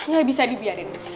gak bisa dibiarin